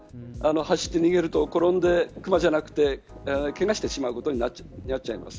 走って逃げると、ころんでクマじゃなくてけがしてしまうことになっちゃいます。